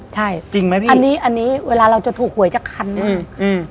ใช่จริงไหมพี่อันนี้อันนี้เวลาเราจะถูกหวยจากคันหนึ่งอืม